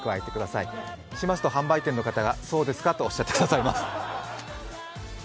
そうしますと、販売店の方が「そうですか」とおっしゃってくださいます。